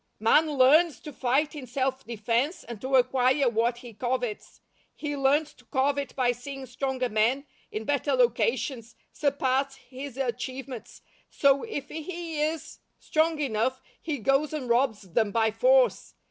Man LEARNS to fight in self defense, and to acquire what he covets. He learns to covet by seeing stronger men, in better locations, surpass his achievements, so if he is strong enough he goes and robs them by force.